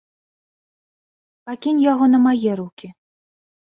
Пакінь яго на мае рукі.